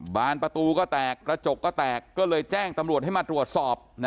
บานประตูก็แตกกระจกก็แตกก็เลยแจ้งตำรวจให้มาตรวจสอบ